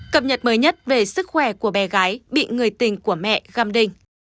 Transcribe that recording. cập nhật mới nhất về sức khỏe của bé gái bị người tình của mẹ gam đinh